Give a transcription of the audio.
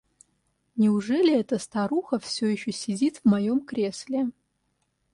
Неужели эта старуха все еще сидит в моем кресле?